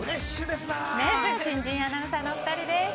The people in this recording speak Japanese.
新人アナウンサーのお二人です。